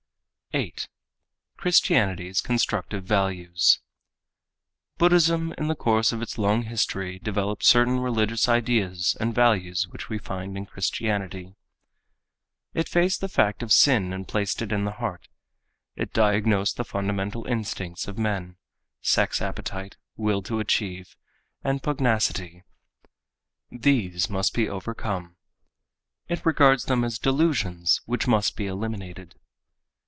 8. Christianity's Constructive Values Buddhism in the course of its long history developed certain religious ideas and values which we find in Christianity. It faced the fact of sin and placed it in the heart. It diagnosed the fundamental instincts of men, sex appetite, will to achieve, and pugnacity. These must be overcome. It regards them as delusions which must be eliminated.